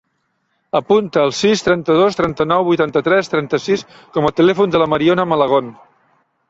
Apunta el sis, trenta-dos, trenta-nou, vuitanta-tres, trenta-sis com a telèfon de la Mariona Malagon.